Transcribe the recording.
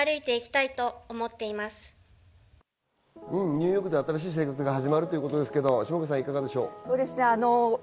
ニューヨークで新しい生活が始まるということですがいかがですか？